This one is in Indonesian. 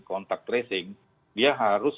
kontak tracing dia harus